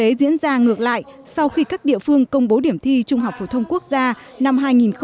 điều này sẽ diễn ra ngược lại sau khi các địa phương công bố điểm thi trung học phổ thông quốc gia năm hai nghìn một mươi bảy